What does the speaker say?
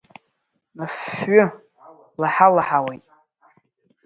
Афҩы лаҳа-лаҳауеит.